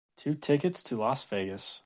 Two tickets to Las Vegas